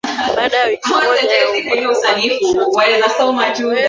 Baada ya wiki moja ya uhamisho tarehe kumi